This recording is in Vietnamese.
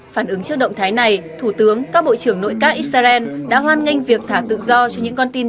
phản ứng trước động thái này thủ tướng các bộ trưởng nội các israel đã hoan nghênh việc thả tự do cho những con tin israel